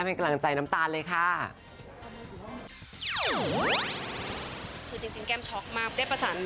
คือจริงแก้มช็อกมาก